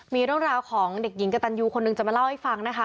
มีเรื่องราวของเด็กหญิงกระตันยูคนหนึ่งจะมาเล่าให้ฟังนะคะ